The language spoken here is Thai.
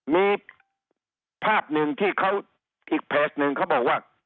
มีภาพหนึ่งที่เขาอีกเพจหนึ่งเขาบอกว่า